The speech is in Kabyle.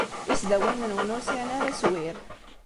Isdawanen-nwen ur sɛin ara aswir.